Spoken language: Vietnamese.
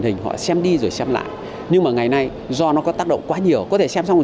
hình họ xem đi rồi xem lại nhưng mà ngày nay do nó có tác động quá nhiều có thể xem xong